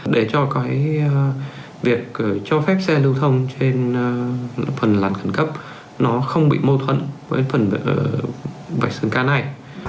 để cho việc cho phép xe lưu thông trên phần làn khẩn cấp nó không bị mâu thuẫn với phần vạch xương cá này